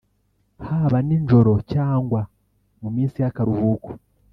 haba ninjoro cyangwa mu minsi y’akaruhuko